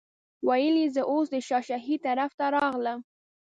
ویل یې زه اوس د شاه شهید طرف ته راغلم.